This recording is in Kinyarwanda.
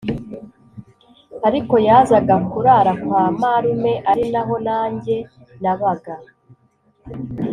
ariko yazaga kurara kwa marume ari naho nanjye nabaga